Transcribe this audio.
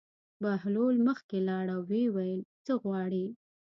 بهلول مخکې لاړ او ویې ویل: څه غواړې.